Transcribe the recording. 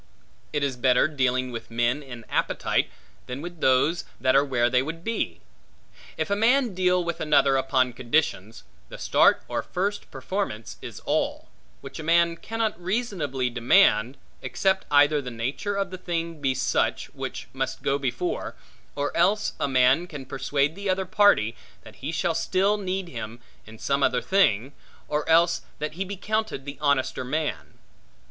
It is better dealing with men in appetite, than with those that are where they would be. If a man deal with another upon conditions, the start or first performance is all; which a man cannot reasonably demand, except either the nature of the thing be such, which must go before; or else a man can persuade the other party, that he shall still need him in some other thing; or else that he be counted the honester man.